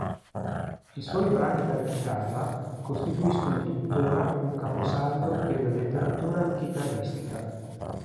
I suoi brani per chitarra costituiscono tuttora un caposaldo della letteratura chitarristica.